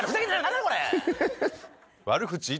何だよこれ？